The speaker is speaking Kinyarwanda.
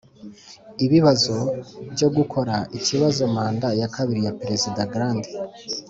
ibibazo byo gukora ikibazo manda ya kabiri ya perezida grant